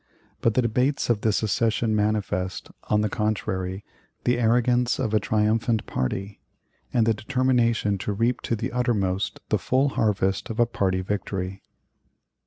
But the debates of that session manifest, on the contrary, the arrogance of a triumphant party, and the determination to reap to the uttermost the full harvest of a party victory.